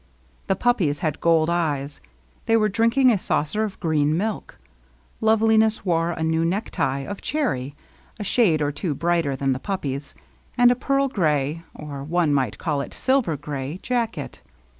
The puppies had gold eyes. They were drinking a saucer of green milk. Loveliness wore a new necktie, of cherry, a shade or two brighter than the puppies, and a pearl gray, or one might call it a silver gray jacket.